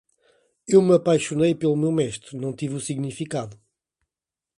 Eu me apaixonei pelo meu mestre, não tive o significado.